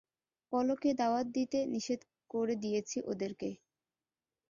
পলকে দাওয়াত দিতে নিষেধ করে দিয়েছি ওদেরকে।